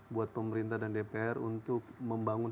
buat pemerintah dan dpr untuk membangun